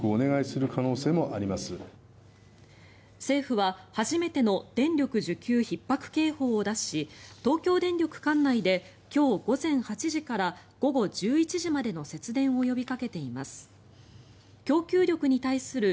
政府は初めての電力需給ひっ迫警報を出し東京電力管内で今日午前８時から午後１１時までの節電を呼びかけています。